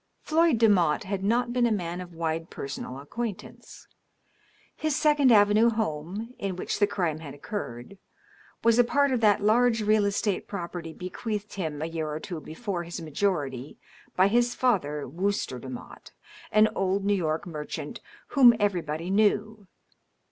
Floyd Demotte had not been a man of wide personal acquaintance. His Second Avenue home, in which the crime had occurred, was a part of that large real estate property bequeathed him a year or two before his majority by his father, Wooster JDemotte, an old New York mer chant, whom everybody knew.